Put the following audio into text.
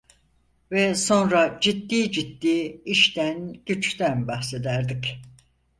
Ve sonra ciddi ciddi işten, güçten bahsederdik…